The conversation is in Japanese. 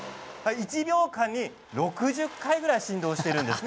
１秒間に６０回ぐらい振動しているんです。